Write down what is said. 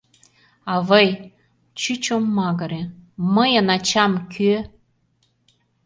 — Авый, — чуч ом магыре, — мыйын ачам кӧ?